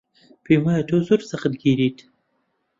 پێم وایە تۆ زۆر سەختگریت.